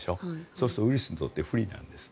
そうするとウイルスにとって不利なんです。